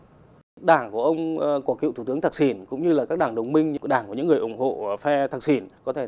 các đảng của ông của cựu thủ tướng thạc xuyên cũng như là các đảng đồng minh các đảng của những người ủng hộ phe thạc xuyên